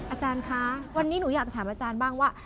อาจารย์คะวันนี้หนูอยากจะถามอาจารย์บ้างว่า